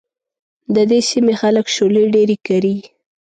د دې سيمې خلک شولې ډېرې کري.